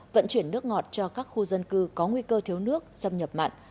vận chuyển nước ngọt cho các khu dân cư có nguy cơ thiếu nước xâm nhập mặn